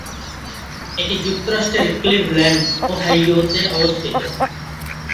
এটি যুক্তরাষ্ট্রের ক্লিভল্যান্ড, ওহাইওতে অবস্থিত।